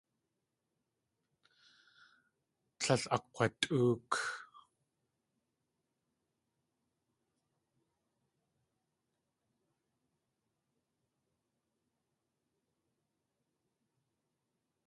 Tlél akg̲watʼóok.